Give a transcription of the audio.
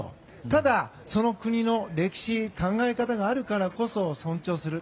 ただ、その国の歴史考え方があるからこそ尊重する。